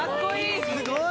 すごい！